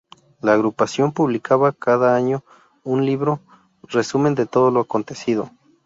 La Agrupación publicaba cada año un libro, resumen de todo lo acontecido.